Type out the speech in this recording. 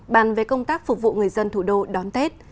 bàn về công tác phục vụ người dân thủ đô đón tết